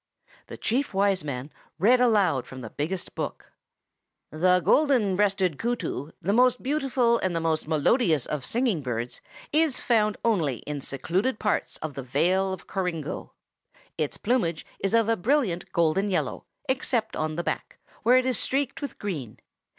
The chief Wise Man read aloud from the biggest book:— "The Golden breasted Kootoo, the most beautiful and the most melodious of singing birds, is found only in secluded parts of the Vale of Coringo. Its plumage is of a brilliant golden yellow, except on the back, where it is streaked with green.